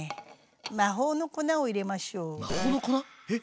魔法の粉を入れましょう。